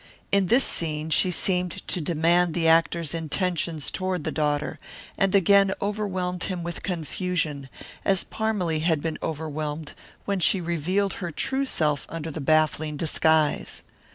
In this scene she seemed to demand the actor's intentions toward the daughter, and again overwhelmed him with confusion, as Parmalee had been overwhelmed when she revealed her true self under the baffling disguise.